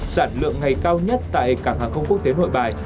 sản lượng ngày cao nhất tại cảng hàng không quốc tế nội bài